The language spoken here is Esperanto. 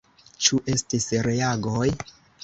Ĉu estis reagoj?